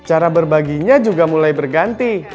cara berbaginya juga mulai berganti